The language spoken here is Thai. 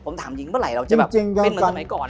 ผมถามจริงเวลาเราจะเป็นเหมือนสมัยก่อน